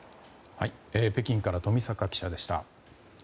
北京から冨坂記者でした。